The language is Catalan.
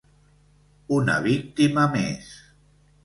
Una víctima més.